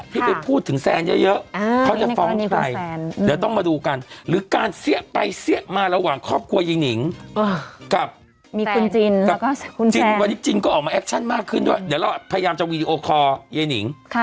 ที่ไปพูดถึงแซนเยอะเขาจะฟ้องใครเดี๋ยวต้องมาดูกันหรือการเสี้ยไปเสี้ยมาระหว่างครอบครัวยายหนิงกับมีคุณจินกับคุณจินวันนี้จินก็ออกมาแอคชั่นมากขึ้นด้วยเดี๋ยวเราพยายามจะวีดีโอคอร์ยายนิง